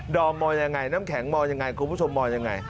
อมมองยังไงน้ำแข็งมองยังไงคุณผู้ชมมองยังไง